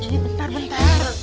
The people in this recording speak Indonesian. iya bentar bentar